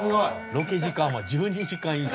ロケ時間は１２時間以上。